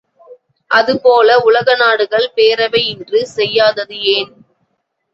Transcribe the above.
அதுபோல உலக நாடுகள் பேரவை இன்று செய்யாதது ஏன்?